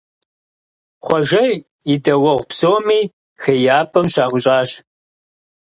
Хъуэжэ и дэуэгъу псоми хеяпӏэм щаӀущӀащ.